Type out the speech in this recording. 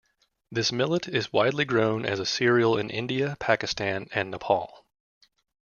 This millet is widely grown as a cereal in India, Pakistan, and Nepal.